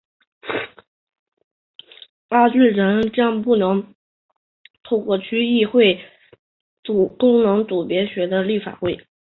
何俊仁将不能透过区议会功能组别参选立法会。